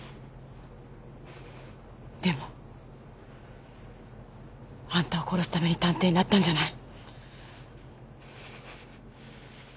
でもあんたを殺すために探偵になったんじゃない。